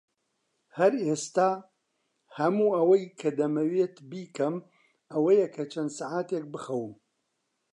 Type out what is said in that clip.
هەر ئێستا، هەموو ئەوەی کە دەمەوێت بیکەم ئەوەیە کە چەند سەعاتێک بخەوم.